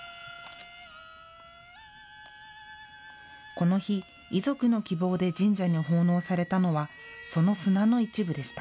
この日、遺族の希望で神社に奉納されたのはその砂の一部でした。